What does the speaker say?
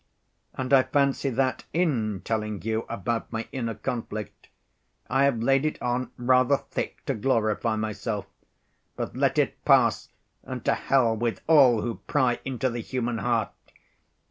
And I fancy that in telling you about my inner conflict I have laid it on rather thick to glorify myself. But let it pass, and to hell with all who pry into the human heart!